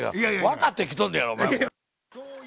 わかってきとんねんやろ、お前も！